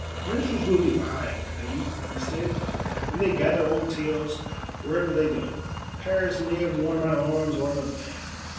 "Minstrels will be lying, Lady," he said, "and they gather old tales wherever they go. Paris may have worn my arms, or another man.